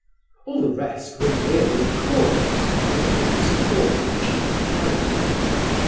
All the rest were merely chorus, brought in to support the chief character.